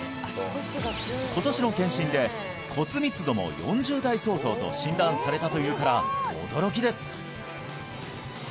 今年の検診で骨密度も４０代相当と診断されたというから驚きです！